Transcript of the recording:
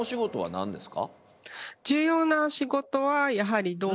何ですか？